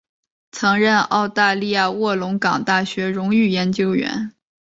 曾任澳大利亚卧龙岗大学荣誉研究员。